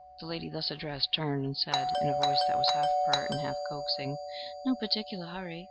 The lady thus addressed turned and said, in a voice that was half pert and half coaxing, "No particular hurry.